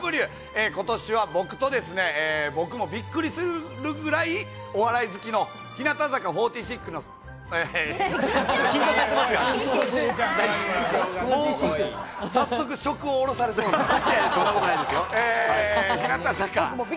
今年は僕と僕もびっくりするぐらい、お笑い好きの日向坂４６の。早速、職を降ろされそう。